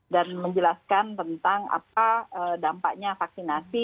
dan menjelaskan tentang apa dampaknya vaksinasi